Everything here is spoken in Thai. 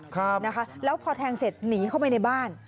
ครับนะคะแล้วพอแทงเสร็จหนีเข้าไปในบ้าน